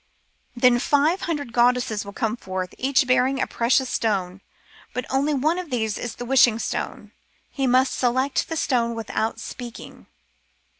Then five hundred goddesses will come forth, each bearing a precious stone, but only one of these is the Wishing stone. He must select the stone without speaking.